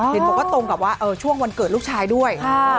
เห็นบอกว่าตรงกับว่าช่วงวันเกิดลูกชายด้วย